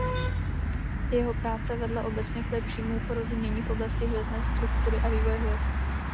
Jeho práce vedla obecně k lepšímu porozumění v oblasti hvězdné struktury a vývoje hvězd.